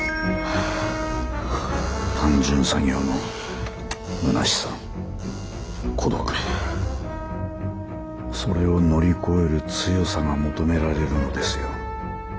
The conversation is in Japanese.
単純作業のむなしさ孤独それを乗り越える強さが求められるのですよ。